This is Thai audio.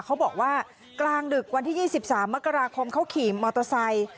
เขาบอกว่ากลางดึกวันที่๒๓มกราคมเขาขี่มอเตอร์ไซค์